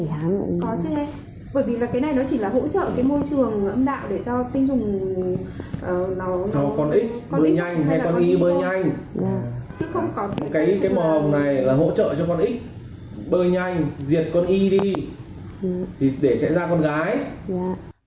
hồng là hơn tám mươi